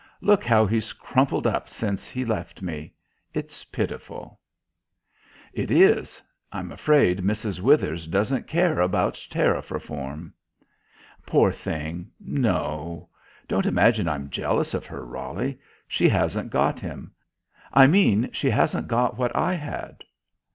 Look how he's crumpled up since he left me. It's pitiful." "It is. I'm afraid Mrs. Withers doesn't care about Tariff Reform." "Poor thing. No. Don't imagine I'm jealous of her, Roly. She hasn't got him. I mean she hasn't got what I had."